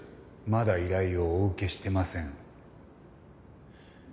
まだ依頼をお受けしてません。